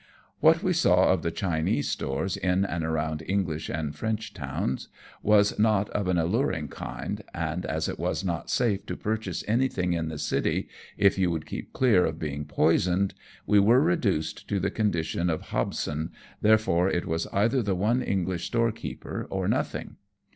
What we saw of the Chinese stores in and around English and French towns, was not of an alluring kind, and as it was not safe to purchase anything in the city, if you would keep clear of being poisoned, we were reduced to the condition of Hobson, therefore it was either the one English storekeeper or nothing.